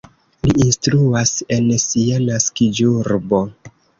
Li instruas en sia naskiĝurbo.